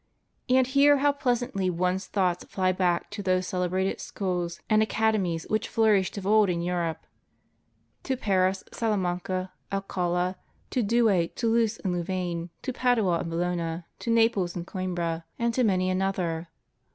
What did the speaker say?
And here how pleasantly one's thoughts fly back to those celebrated schools and academies which flourished of old in Europe — to Paris, Salamanca, Alcala, to Douay, Toulouse, and Louvain, to Padua and Bologna, to Naples and Coimbra, and to many another!